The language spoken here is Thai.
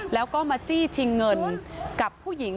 แล้วก็มาจี้ชิงเงินกับผู้หญิง